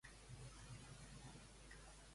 M'agrada molt "La flama" i la vull escoltar.